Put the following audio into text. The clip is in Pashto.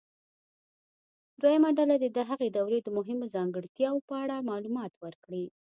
دویمه ډله دې د هغې دورې د مهمو ځانګړتیاوو په اړه معلومات ورکړي.